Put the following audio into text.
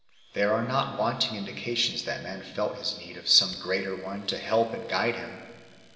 There are not wanting indications that man felt his need of some greater one to help and guide him.